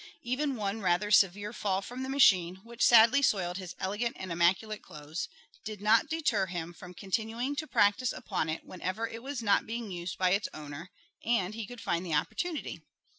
Even one rather severe fall from the machine, which sadly soiled his elegant and immaculate clothes, did not deter him from continuing to practice upon it whenever it was not being used by its owner and he could find the opportunity.